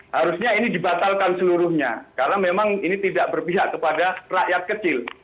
harusnya ini dibatalkan seluruhnya karena memang ini tidak berpihak kepada rakyat kecil